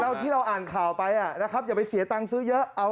ที่เราอ่านข่าวไปนะครับอย่าไปเสียตังค์ซื้อเยอะ